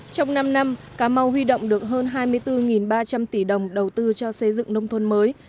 trong năm năm cà mau huy động được hơn hai mươi bốn ba trăm linh tỷ đồng đầu tư cho xây dựng nông thôn mới